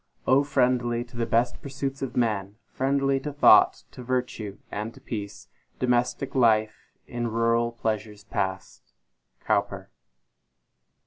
friendly to the best pursuits of man, Friendly to thought, to virtue and to peace, Domestic life in rural pleasures past! COWPER.